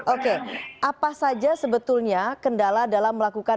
oke apa saja sebetulnya kendala dalam melakukan